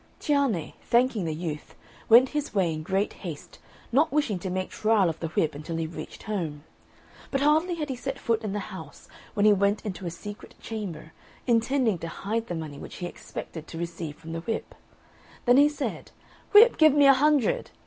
Cianne, thanking the youth, went his way in great haste, not wishing to make trial of the whip until he reached home. But hardly had he set foot in the house, when he went into a secret chamber, intending to hide the money which he expected to receive from the whip. Then he said, "Whip, give me a hundred!"